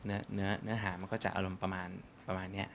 เนื้อหามันก็จะอารมณ์ประมาณนี้